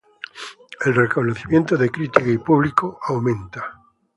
El reconocimiento de crítica y público aumenta.